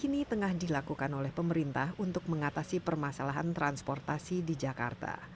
ini tengah dilakukan oleh pemerintah untuk mengatasi permasalahan transportasi di jakarta